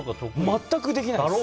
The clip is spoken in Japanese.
全くできないです。